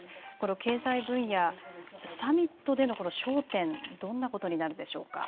経済分野、サミットでの焦点どんなことになるでしょうか。